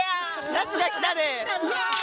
夏が来たで！